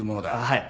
はい。